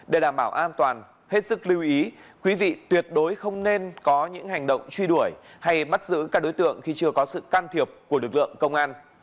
để đảm bảo an toàn hết sức lưu ý quý vị tuyệt đối không nên có những hành động truy đuổi hay bắt giữ các đối tượng khi chưa có sự can thiệp của lực lượng công an